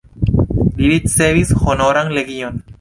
Li ricevis Honoran Legion.